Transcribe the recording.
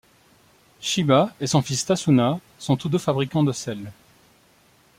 Shiba et son fils Tasuna sont tous deux fabricants de selles.